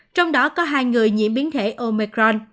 trong đó có hai người nhiễm biến thể omicron